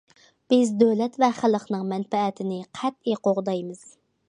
بىز دۆلەت ۋە خەلقنىڭ مەنپەئەتىنى قەتئىي قوغدايمىز.